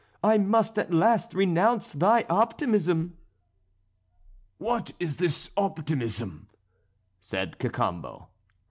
I must at last renounce thy optimism." "What is this optimism?" said Cacambo.